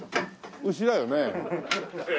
牛だよね。